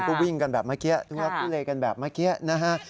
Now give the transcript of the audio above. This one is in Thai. ก็วิ่งกันแบบเมื่อกี้ทุลักทุเลกันแบบเมื่อกี้นะฮะ